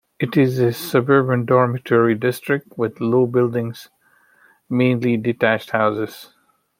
It is a suburban dormitory district with low buildings, mainly detached houses.